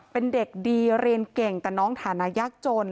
เป็นเด็กดีเรียนเก่งแต่น้องฐานะยากจน